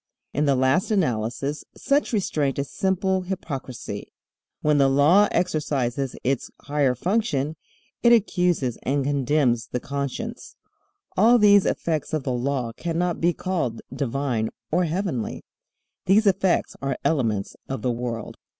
In the last analysis such restraint is simple hypocrisy. When the Law exercises its higher function it accuses and condemns the conscience. All these effects of the Law cannot be called divine or heavenly. These effects are elements of the world.